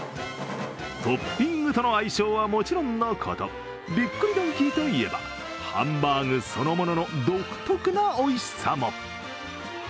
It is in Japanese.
トッピングとの相性はもちろんのこと、びっくりドンキーといえば、ハンバーグそのものの独特なおいしさも。